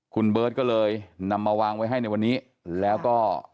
คุณเบิร์ตก็เลยนำมาวางไว้ให้ในวันนี้แล้วก็